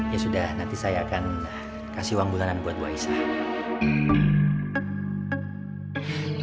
ya sudah nanti saya akan kasih uang bulanan buat bu aisyah